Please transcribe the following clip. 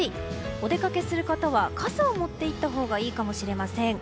お出かけする方は傘を持っていったほうがいいかもしれません。